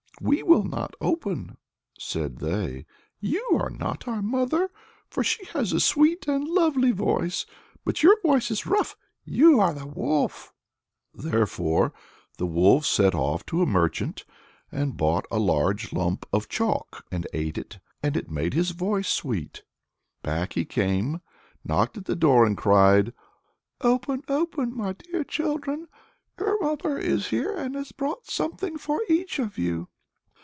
"We will not open," said they; "you are not our mother, for she has a sweet and lovely voice; but your voice is rough you are the wolf." Thereupon the wolf set off to a merchant and bought a large lump of chalk; he ate it, and it made his voice sweet. Back he came, knocked at the door, and cried, "Open, open, my dear children; your mother is here, and has brought something for each of you."